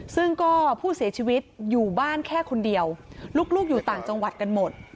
ซึ่งก็ผู้เสียชีวิตอยู่บ้านแค่คนเดียวลูกอยู่ต่างจังหวัดกันหมด